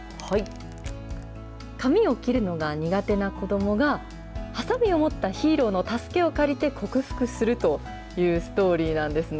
髪を切るのが苦手な子どもが、はさみを持ったヒーローの助けを借りて克服するというストーリーなんですね。